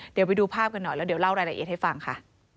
เดี๋ยวไปดูภาพกันหน่อยแล้วเดี๋ยวเล่ารายละเอียดให้ฟังค่ะ